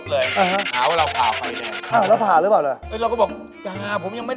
อ๋อแสดงว่าเดินเป็นสองสามก้าวเดี๋ยวสายก็ถึงแล้ว